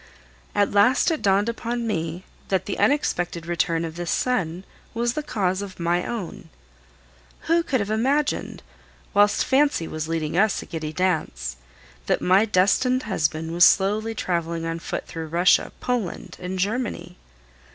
At last it dawned upon me that the unexpected return of this son was the cause of my own. Who could have imagined, whilst fancy was leading us a giddy dance, that my destined husband was slowly traveling on foot through Russia, Poland, and Germany?